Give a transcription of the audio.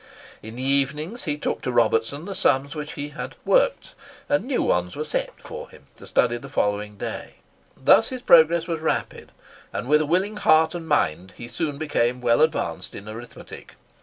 In the evenings he took to Robertson the sums which he had "worked," and new ones were "set" for him to study out the following day. Thus his progress was rapid, and, with a willing heart and mind, he soon became well advanced in arithmetic.